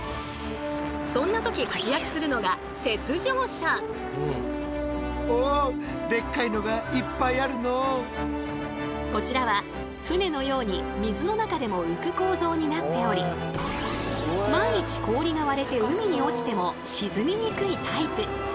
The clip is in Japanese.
そんな時活躍するのがこちらは船のように水の中でも浮く構造になっており万一氷が割れて海に落ちても沈みにくいタイプ。